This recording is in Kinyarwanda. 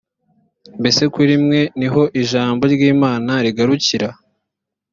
mbese kuri mwe ni ho ijambo ry imana rigarukira ?